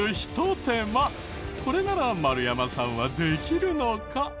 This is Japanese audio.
これなら丸山さんはできるのか？